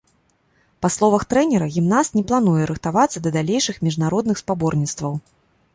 Па словах трэнера, гімнаст не плануе рыхтавацца да далейшых міжнародных спаборніцтваў.